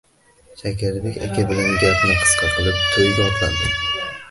Shakarbek aka bilan gapni qisqa qilib, to`yga otlandim